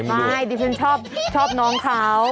ไม่ดิฉันชอบน้องเขา